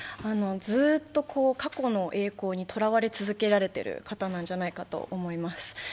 ずっと過去の栄光にとらわれ続けておられる方なんじゃないかと思います。